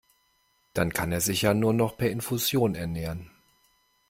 Dann kann er sich ja nur noch per Infusion ernähren.